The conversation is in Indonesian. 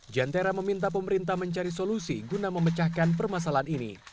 jantera meminta pemerintah mencari solusi guna memecahkan permasalahan ini